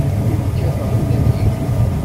Ur kkateɣ ula d yiwen.